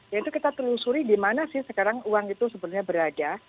yaitu kita telusuri di mana sih sekarang uang itu sebenarnya berada